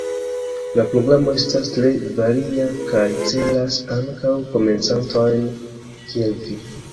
La programo estas tre varia kaj celas ankaŭ komencantojn kiel vi.